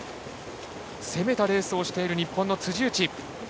攻めたレースをしている日本の辻内。